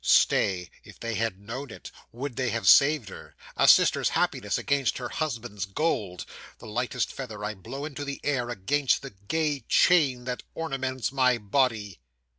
'Stay. If they had known it, would they have saved her? A sister's happiness against her husband's gold. The lightest feather I blow into the air, against the gay chain that ornaments my body!